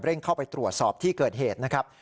เข้าไปตรวจสอบที่เกิดเหตุนะครับ